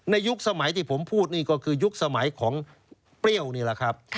ยุคสมัยที่ผมพูดนี่ก็คือยุคสมัยของเปรี้ยวนี่แหละครับ